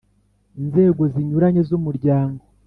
inzego zinyuranye z’Umuryango